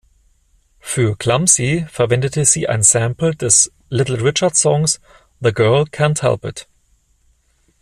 Für "Clumsy" verwendete sie ein Sample des Little-Richard-Songs "The Girl Can’t Help It".